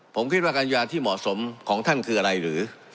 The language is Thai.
ผมคิดว่ากัญญาที่เหมาะสมของท่านคืออะไรหรือ